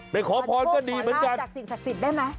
ไปขอพรก็ดีเหมือนกันมาโทษขอลาบจากสิ่งศักดิ์สิทธิ์ได้ไหม